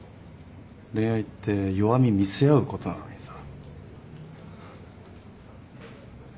恋愛って弱み見せ合うことなのにさ。